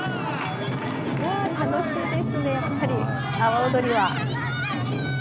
楽しいですね、やっぱり、阿波踊りは。